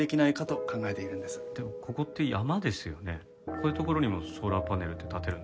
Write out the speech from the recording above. こういう所にもソーラーパネルって立てるんですか？